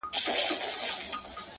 څخه سمبول ګرځي،